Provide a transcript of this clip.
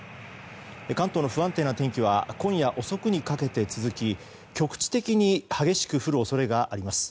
関東の不安定な天気は今夜遅くにかけて続き局地的に激しく降る恐れがあります。